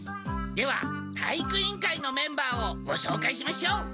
では体育委員会のメンバーをごしょうかいしましょう。